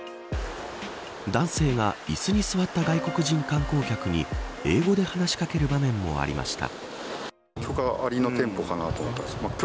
男性がいすに座った外国人観光客に英語で話し掛ける場面もありました。